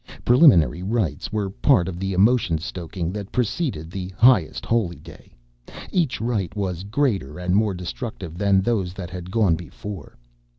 Preliminary Rites were part of the emotion stoking that preceded the Highest Holy Day. Each Rite was greater and more destructive than those that had gone before.